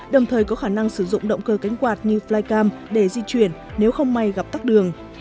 đồng thời có khả năng sử dụng động cơ cánh quạt như flycam để di chuyển nếu không may gặp tắc đường